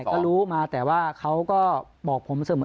ก็รู้มาแต่ว่าเขาก็บอกผมเสมอ